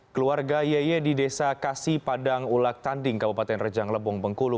keluarga yeye di desa kasih padang ulak tanding kabupaten rejang lebong bengkulu